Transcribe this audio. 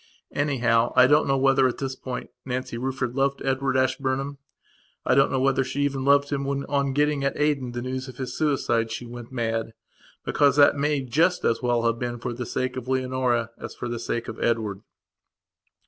Anyhow, I don't know whether, at this point, Nancy Rufford loved Edward Ashburnham. I don't know whether she even loved him when, on getting, at Aden, the news of his suicide she went mad. Because that may just as well have been for the sake of Leonora as for the sake of Edward.